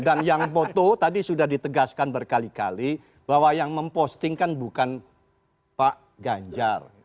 dan yang foto tadi sudah ditegaskan berkali kali bahwa yang memposting kan bukan pak ganjar